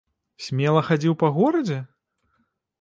Смела хадзіў па горадзе?